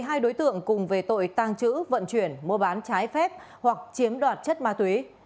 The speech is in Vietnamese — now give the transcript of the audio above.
hai đối tượng cùng về tội tăng trữ vận chuyển mua bán trái phép hoặc chiếm đoạt chất ma túy